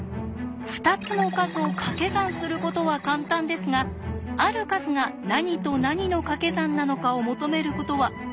２つの数をかけ算することは簡単ですがある数が何と何のかけ算なのかを求めることはとても難しいのです。